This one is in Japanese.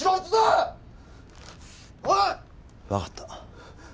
分かった。